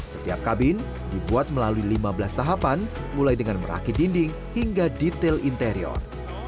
setiap kabin dibuat melalui lima belas tahapan mulai dengan merakit dinding hingga detail interior